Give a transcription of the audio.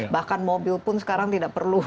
bahkan mobil pun sekarang tidak perlu